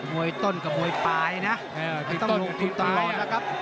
วยต้นกับมวยปลายนะต้องโดนทีมตลอดนะครับ